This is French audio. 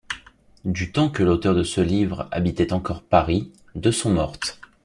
Du temps que l’auteur de ce livre habitait encore Paris, deux sont mortes.